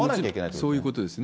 そういうことですね。